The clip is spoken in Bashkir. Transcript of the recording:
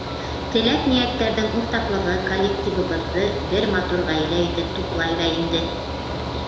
Теләк-ниәттәрҙең уртаҡлығы коллективыбыҙҙы бер матур ғаилә итеп туплай ҙа инде.